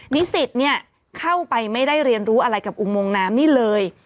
นิสิตเนี่ยเข้าไปไม่ได้เรียนรู้อะไรกับอุโมงน้ำนี่เลย